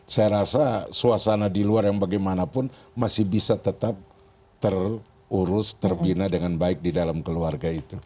saya rasa suasana di luar yang bagaimanapun masih bisa tetap terurus terbina dengan baik di dalam keluarga itu